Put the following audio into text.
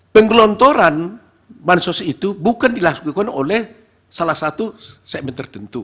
penggelontoran bansos itu bukan dilakukan oleh salah satu segmen tertentu